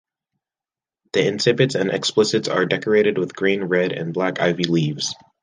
The incipits and explicits are decorated with green red and black ivy leaves.